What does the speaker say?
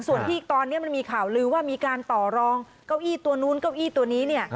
ส่วนที่ตอนนี้มันมีข่าวลือว่ามีการต่อรองเก้าอี้ตัวนู้นเก้าอี้ตัวนี้เนี่ย